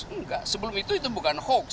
enggak sebelum itu itu bukan hoax